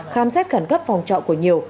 khám xét khẩn cấp phòng trọng của nhiều